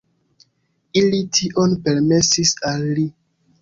Ili tion permesis al li.